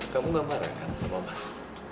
kamu gak marah kan sama mas